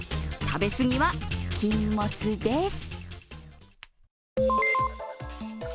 食べ過ぎは禁物です。